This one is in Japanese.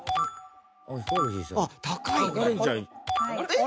えっ！